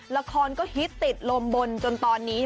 ละครก็ฮิตติดลมบนจนตอนนี้